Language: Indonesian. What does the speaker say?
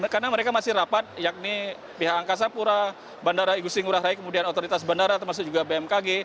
karena mereka masih rapat yakni pihak angkasa pura bandara igusi ngurah rai kemudian otoritas bandara termasuk juga bmkg